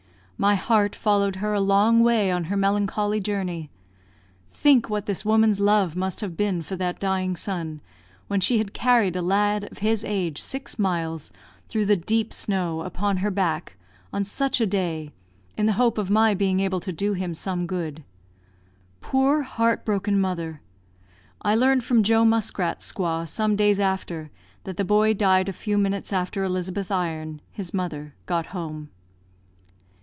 My heart followed her a long way on her melancholy journey. Think what this woman's love must have been for that dying son, when she had carried a lad of his age six miles, through the deep snow, upon her back, on such a day, in the hope of my being able to do him some good. Poor heart broken mother! I learned from Joe Muskrat's squaw some days after that the boy died a few minutes after Elizabeth Iron, his mother, got home.